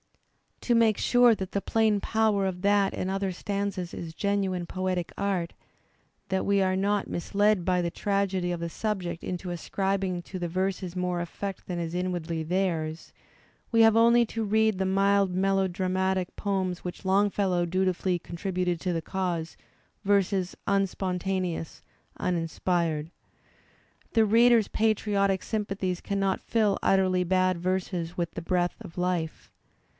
To make sure that the plain power of that and other stanzas is genuine poetic art, that we are not misled by the tragedy of the subject into ascribing to the verses more effect than is inwardly theirs, we have only to read the mild melodramatic poems which Longfellow dutifully contributed to the cause, verses unspontaneous, uninspired. The reader's patriotic sympathies cannot fill utterly bad verses with the breath of life.